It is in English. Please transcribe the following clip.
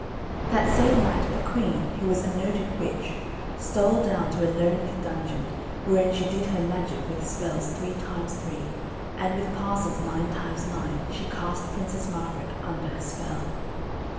That same night the queen, who was a noted witch, stole down to a lonely dungeon wherein she did her magic and with spells three times three, and with passes nine times nine she cast Princess Margaret under her spell.